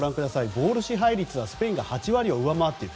ボール支配率はスペインが８割を上回っている。